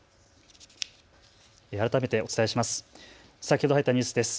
改めてお伝えします。